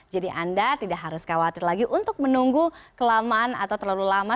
jadi anda tidak harus khawatir lagi untuk menunggu kelamaan atau terlalu lama